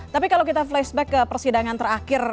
tapi kalau kita flashback ke persidangan terakhir